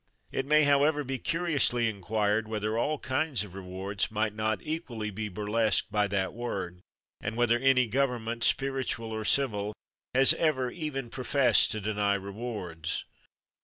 It may, however, be curiously inquired whether all kinds of reward might not equally be burlesqued by that word, and whether any government, spiritual or civil, has ever even professed to deny rewards.